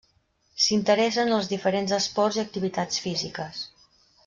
S'interessa en els diferents esports i activitats físiques.